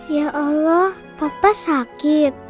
ya allah papa sakit